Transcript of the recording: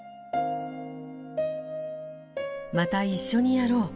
「また一緒にやろう。